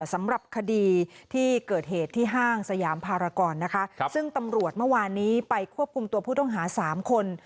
สำหรับคดีที่เกิดเหตุที่ห้างสยามภารกรนะคะซึ่งตำรวจเมื่อวานนี้ไปควบคุมตัวผู้ต้องหาสามคน